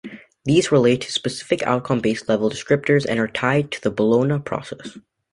These relate to specific outcome-based level descriptors and are tied to the Bologna Process.